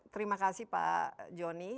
terima kasih pak jonny